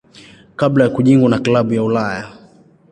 kabla ya kujiunga na klabu ya Ulaya.